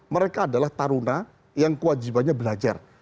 mereka adalah taruna yang kewajibannya belajar